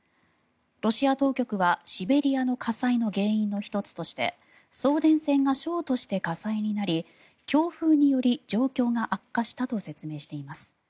ロシア当局はシベリアの火災の原因の１つとして送電線がショートして火災になり強風により状況が悪化したと説明しています。